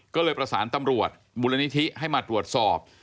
ก็เลยประสานตำรวจมูลนิธิให้มาตรวจสอบ